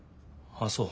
ああそう。